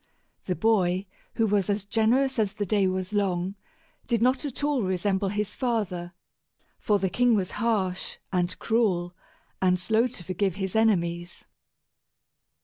The boy, who was as generous as the day was long, did not at all resemble his father, for the king was harsh and cruel, and slow to forgive his enemies.